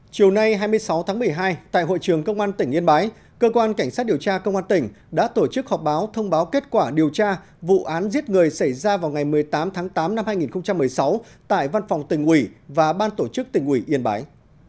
chiều nay hai mươi sáu tháng một mươi hai tại hội trường công an tỉnh yên bái cơ quan cảnh sát điều tra công an tỉnh đã tổ chức họp báo thông báo kết quả điều tra vụ án giết người xảy ra vào ngày một mươi tám tháng tám năm hai nghìn một mươi sáu tại văn phòng tỉnh ủy và ban tổ chức tỉnh ủy yên bái